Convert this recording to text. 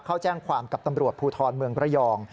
เข้าแจ้งความกับตำรวจภูทรเมืองระยอง